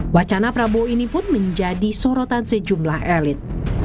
wacana prabowo ini pun menjadi sorotan sejumlah elit